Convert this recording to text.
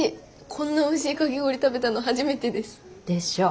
こんなおいしいかき氷食べたの初めてです。でしょう？